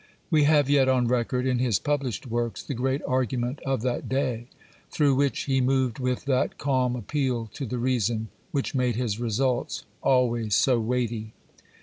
We have yet on record, in his published works, the great argument of that day, through which he moved with that calm appeal to the reason, which made his results always so weighty.